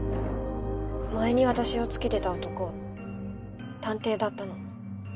前に私をつけてた男探偵だったの。